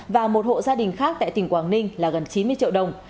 và một hộ gia đình khác tại tỉnh quảng ninh là gần chín mươi triệu đồng